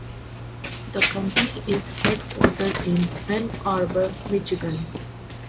The company is headquartered in Ann Arbor, Michigan.